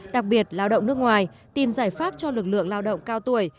đặc biệt lao động nước ngoài tìm giải pháp cho lực lượng lao động cao tuổi